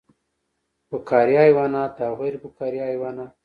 فقاریه حیوانات او غیر فقاریه حیوانات